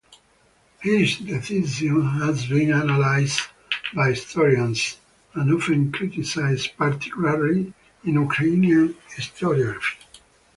His decision has been analyzed by historians, and often criticized, particularly in Ukrainian historiography.